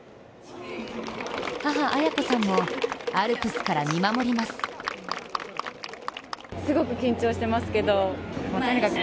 母・綾子さんも、アルプスから見守ります。